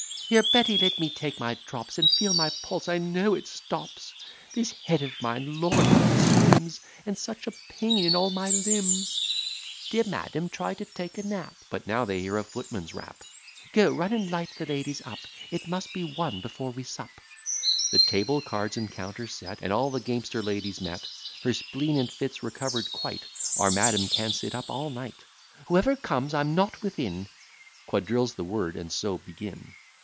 "Here, Betty, let me take my drops; And feel my pulse, I know it stops; This head of mine, lord, how it swims! And such a pain in all my limbs!" "Dear madam, try to take a nap" But now they hear a footman's rap: "Go, run, and light the ladies up: It must be one before we sup." The table, cards, and counters, set, And all the gamester ladies met, Her spleen and fits recover'd quite, Our madam can sit up all night; "Whoever comes, I'm not within." Quadrille's the word, and so begin.